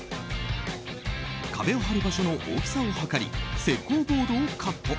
壁を張る場所の大きさを測り石膏ボードをカット。